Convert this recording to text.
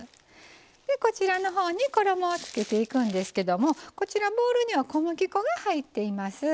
こちらのほうに衣をつけていくんですけどもこちらボウルには小麦粉が入っています。